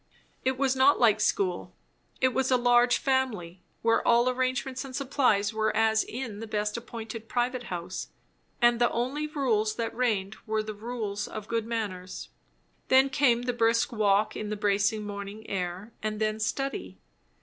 It was not like school; it was a large family; where all arrangements and supplies were as in the best appointed private house, and the only rules that reigned were the rules of good manners. Then came the brisk walk in the bracing morning air; and then, study.